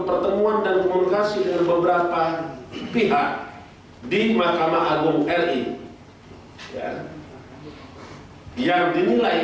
pertemuan dan komunikasi dengan beberapa pihak di mahkamah agung ri yang dinilai